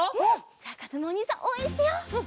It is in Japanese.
じゃあかずむおにいさんおうえんしてよう。